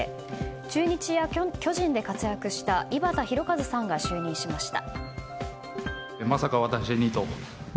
中日や巨人で活躍した井端弘和さんが就任しました。